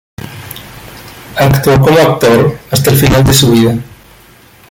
Actuó como actor hasta el final de su vida.